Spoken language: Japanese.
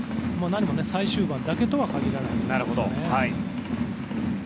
何も最終盤だけとは限らないということですね。